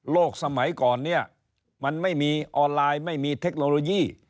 สมัยก่อนเนี่ยมันไม่มีออนไลน์ไม่มีเทคโนโลยี